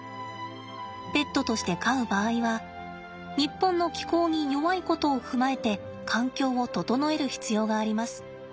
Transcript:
ペットとして飼う場合は日本の気候に弱いことを踏まえて環境を整える必要があります。